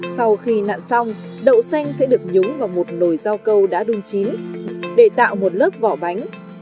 sau khi nạn xong đậu xanh sẽ được nhúng vào một nồi rau câu đã đung chín để tạo một lớp vỏ bánh